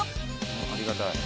ありがたい。